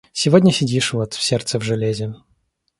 Сегодня сидишь вот, сердце в железе.